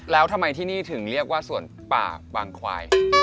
แล้วทำไมที่นี่ถึงเรียกว่าสวนป่าบางควาย